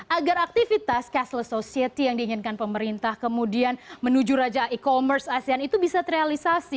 agar aktivitas cashless society yang diinginkan pemerintah kemudian menuju raja e commerce asean itu bisa terrealisasi